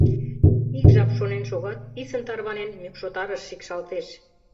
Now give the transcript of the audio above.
Ик жап шонен шогат, писын тарванен, мӱкшотарыш шикшалтеш.